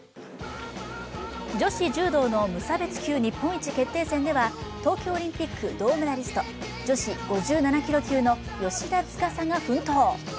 女子柔道の無差別級日本一決定戦では東京オリンピック銅メダリスト女子５７キロ級の芳田司が奮闘。